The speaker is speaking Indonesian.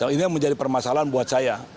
ini yang menjadi permasalahan buat saya